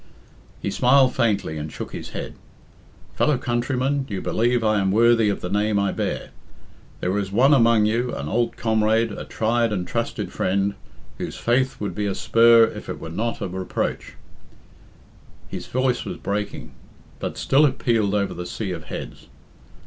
He smiled faintly and shook his head. "Fellow countrymen, you believe I am worthy of the name I bear. There is one among you, an old comrade, a tried and trusted friend, whose faith would be a spur if it were not a reproach " His voice was breaking, but still it pealed over the sea of heads.